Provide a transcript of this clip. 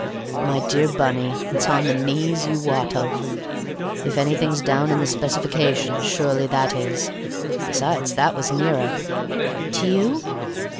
"My dear Bunny, it's on the knees you wot of. If anything's down in the specifications surely that is. Besides—that was nearer!" "To you?"